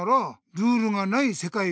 ルールがないせかい？